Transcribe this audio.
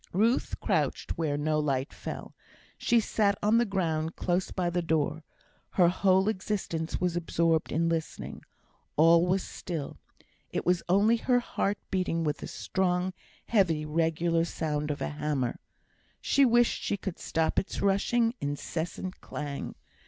Ruth crouched where no light fell. She sat on the ground close by the door; her whole existence was absorbed in listening; all was still; it was only her heart beating with the strong, heavy, regular sound of a hammer. She wished she could stop its rushing, incessant clang.